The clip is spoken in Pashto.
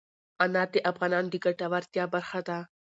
انار د افغانانو د ګټورتیا برخه ده.